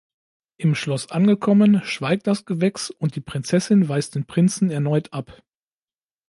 Im Schloss angekommen, schweigt das Gewächs und die Prinzessin weist den Prinzen erneut ab.